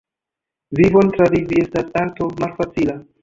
Vivon travivi estas arto malfacila.